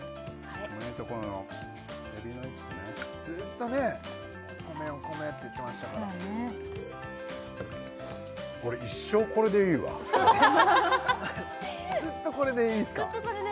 意外とこういうのエビのエキスねずっとね「お米お米」って言ってましたから俺一生これでいいわずっとこれでいいんすか？